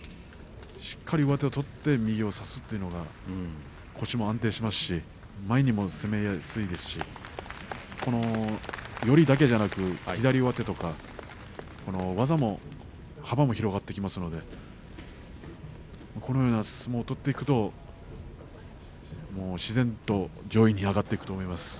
しっかりと上手を取って右を差すというのが、腰も安定しますし前にも攻めやすいですし寄りだけではなくて左上手とか技も幅も広がってきますのでこのような相撲を取っていくと自然と、上位に上がっていくと思います。